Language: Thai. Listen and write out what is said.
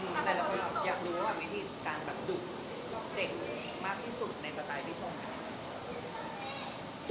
ในละครอยากรู้วิธีการดุเด็กมากที่สุดในสไตล์พิชง